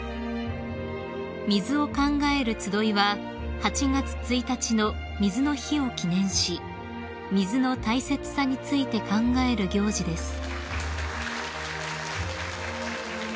［水を考えるつどいは８月１日の水の日を記念し水の大切さについて考える行事です］